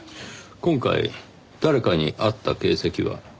今回誰かに会った形跡は？